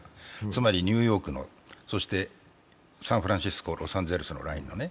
つまりニューヨーク、そしてサンフランシスコ、ロサンゼルスのラインのね。